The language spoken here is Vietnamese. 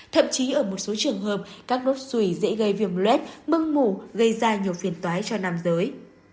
thậm chí ở một số trường hợp các nốt suối dễ gây viêm luet mưng mù gây ra nhiều phiền toái cho nam giới